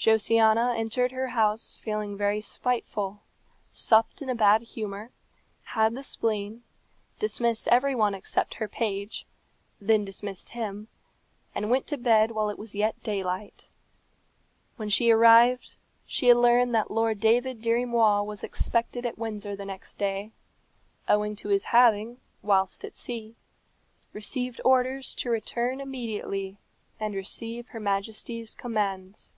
Josiana entered her house feeling very spiteful, supped in a bad humour, had the spleen, dismissed every one except her page, then dismissed him, and went to bed while it was yet daylight. When she arrived she had learned that Lord David Dirry Moir was expected at Windsor the next day, owing to his having, whilst at sea, received orders to return immediately and receive her Majesty's commands.